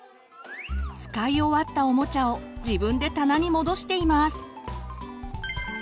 使い終わったおもちゃを自分で棚に戻しています。